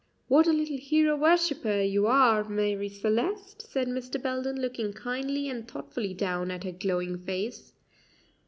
"What a little hero worshipper you are, Marie Celeste," said 'Mr. Belden, looking kindly and thoughtfully down at her glowing face.